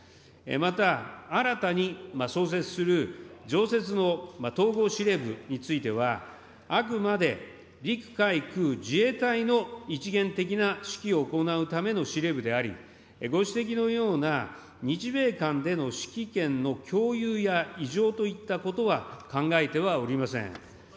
また、新たに創設する常設の統合司令部については、あくまで、陸海空自衛隊の一元的な指揮を行うための司令部であり、ご指摘のような、日米間での指揮権の共有や移譲といったことは考えてはおりません。